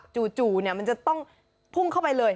จู่มันจะต้องพุ่งเข้าไปเลย